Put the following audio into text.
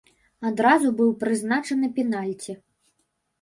Адразу быў прызначаны пенальці.